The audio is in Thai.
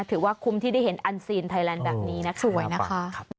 ถือว่าคุ้มที่ได้เห็นอันซีนไทยแลนด์แบบนี้นะคะสวยนะคะ